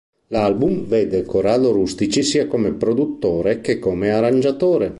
L'album vede Corrado Rustici sia come produttore che come arrangiatore.